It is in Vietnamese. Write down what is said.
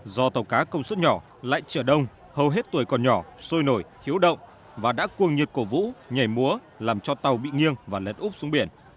do tàu cá công suất nhỏ lại chở đông hầu hết tuổi còn nhỏ sôi nổi hiếu động và đã cuồng nhiệt cổ vũ nhảy múa làm cho tàu bị nghiêng và lật úp xuống biển